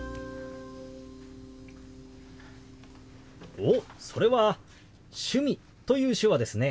おっそれは「趣味」という手話ですね。